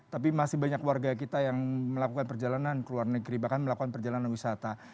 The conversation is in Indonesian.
tapi masih banyak warga kita yang melakukan perjalanan ke luar negeri bahkan melakukan perjalanan wisata